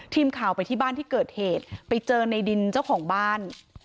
ทีมข่าวไปที่บ้านที่เกิดเหตุไปเจอในดินเจ้าของบ้าน